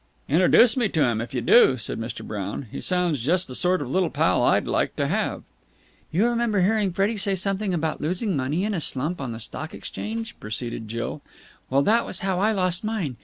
"Introduce me to him, if you do," said Mr. Brown. "He sounds just the sort of little pal I'd like to have!" "You remember hearing Freddie say something about losing money in a slump on the Stock Exchange," proceeded Jill. "Well, that was how I lost mine.